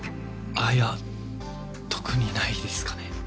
ああいや特にないですかね